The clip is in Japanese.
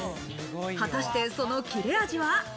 果たして、その切れ味は？